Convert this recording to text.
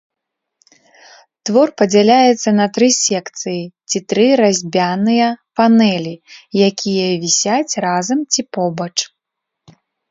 Твор падзяляецца на тры секцыі ці тры разьбяныя панэлі, якія вісяць разам ці побач.